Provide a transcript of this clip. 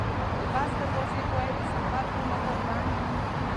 د بس دروازې باید د سفر پر مهال بندې وي.